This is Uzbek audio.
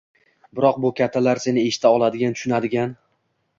Biroq bu kattalar seni eshita oladigan, tushunadigan